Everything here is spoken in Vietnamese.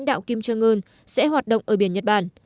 nhà lãnh đạo kim jong un sẽ hoạt động ở biển nhật bản